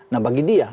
nah bagi dia